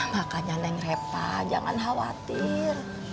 makanya neng repa jangan khawatir